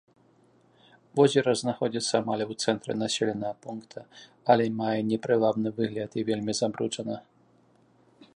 Возера знаходзіцца амаль у цэнтры населенага пункта, але мае непрывабны выгляд і вельмі забруджана.